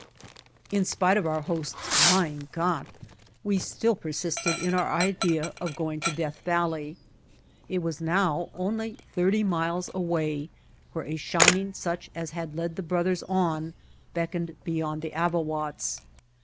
The White Heart In spite of our host's "Mein Gott!" we still persisted in our idea of going to Death Valley. It was now only thirty miles away where a shin ing such as had led the brothers on beckoned be yond the Avawatz.